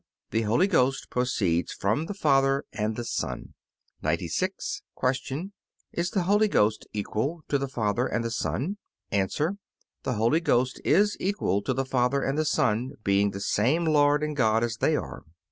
The Holy Ghost proceeds from the Father and the Son. 96. Q. Is the Holy Ghost equal to the Father and the Son? A. The Holy Ghost is equal to the Father and the Son, being the same Lord and God as They are.